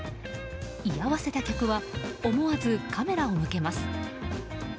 居合わせた客は思わずカメラを向けます。